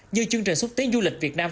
như chương trình xúc tiến du lịch việt nam